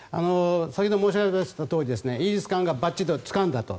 先ほど申し上げたとおりイージス艦がばっちり捉えたと。